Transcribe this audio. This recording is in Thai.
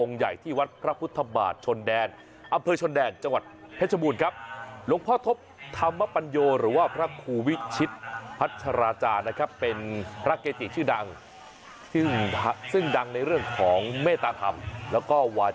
เข้ามากราบนมัศกาลหลวงพ่อทศพร้อมกับอวด